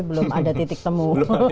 belum ada titik temu